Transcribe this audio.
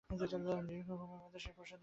দীর্ঘ ঘুমের মাঝে সে প্রশান্তি খুঁজে পায়।